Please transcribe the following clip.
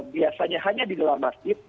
biasanya hanya di dalam masjid